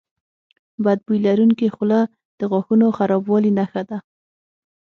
بد بوی لرونکي خوله د غاښونو خرابوالي نښه ده.